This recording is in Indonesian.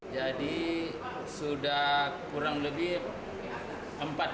jadi sudah kurang lebih empat miliar